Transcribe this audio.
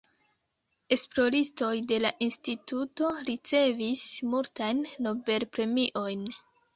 Esploristoj de la Instituto ricevis multajn Nobel-premiojn.